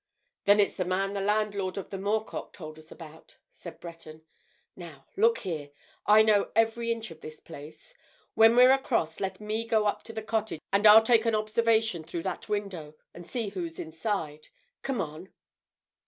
"Then it's the man the landlord of the 'Moor Cock' told us about," said Breton. "Now, look here—I know every inch of this place. When we're across let me go up to the cottage, and I'll take an observation through that window and see who's inside. Come on."